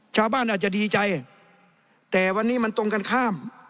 ชาวบ้านอาจจะดีใจแต่วันนี้มันตรงกันข้าม